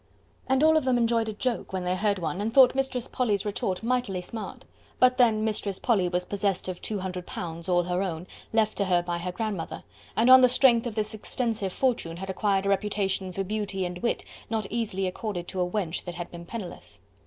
And all of them enjoyed a joke when they heard one and thought Mistress Polly's retort mightily smart. But then Mistress Polly was possessed of two hundred pounds, all her own, left to her by her grandmother, and on the strength of this extensive fortune had acquired a reputation for beauty and wit not easily accorded to a wench that had been penniless.